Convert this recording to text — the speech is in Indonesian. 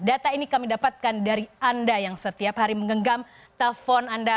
data ini kami dapatkan dari anda yang setiap hari menggenggam telpon anda